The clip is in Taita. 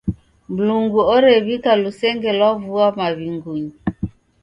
Mlungu orew'ika lusenge lwa vua maw'ingunyi.